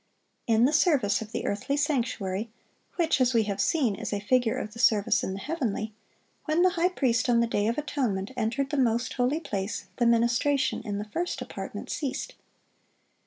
In the service of the earthly sanctuary, which, as we have seen, is a figure of the service in the heavenly, when the high priest on the day of atonement entered the most holy place, the ministration in the first apartment ceased.